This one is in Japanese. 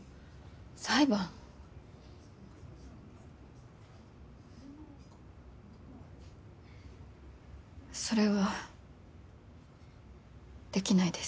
裁判？それはできないです。